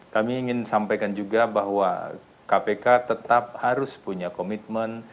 kami ingin sampaikan juga bahwa kpk tetap harus punya komitmen